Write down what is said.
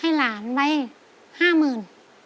ให้หลานไว้ห้าหมื่น